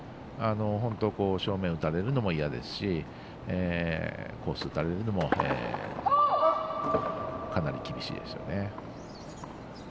正面打たれるのも嫌ですしコース打たれるのもかなり厳しいですね。